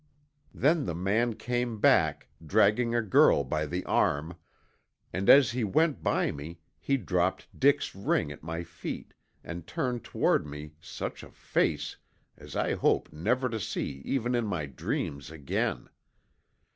Then the man came back, dragging a girl by the arm, and as he went by me he dropped Dick's ring at my feet, and turned toward me such a face as I hope never to see even in my dreams again.